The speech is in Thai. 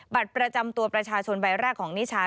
บัตรประจำตัวประชาชนใบแรกของนิชา